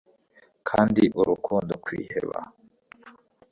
Kandi urukundo kwiheba